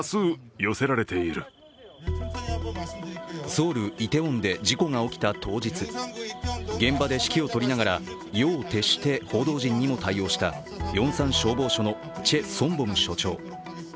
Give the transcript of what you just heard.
ソウル・イテウォンで事故が起きた当日現場で指揮をとりながら夜を徹して報道陣にも対応したヨンサン消防署のチェ・ソンボム署長。